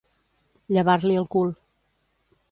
Llevar-l'hi el cul.